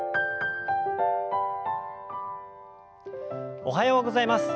おはようございます。